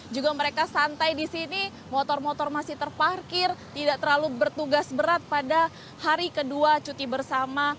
juga mereka santai di sini motor motor masih terparkir tidak terlalu bertugas berat pada hari kedua cuti bersama